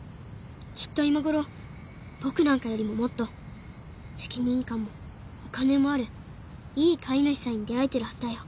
きっと今頃僕なんかよりももっと責任感もお金もあるいい飼い主さんに出会えてるはずだよ。